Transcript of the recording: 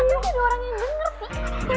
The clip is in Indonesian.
ternyata ada orang yang denger